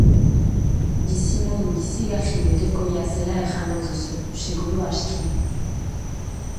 Bizimodu izugarri berekoia zela esango duzu, seguru aski.